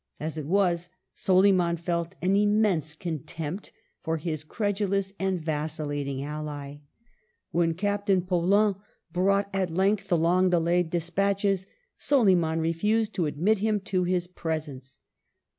As it was, Soliman felt an immense contempt for his credulous and vacillating ally. When Captain Paulin brought at length the long delayed despatches, Soliman refused to admit him to his presence.